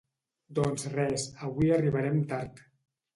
Doncs res, avui arribarem tard